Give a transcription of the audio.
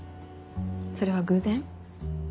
それは偶然？